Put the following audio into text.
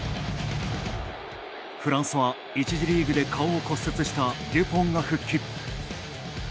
フランスは、１次リーグで顔を骨折したデュポンが復帰。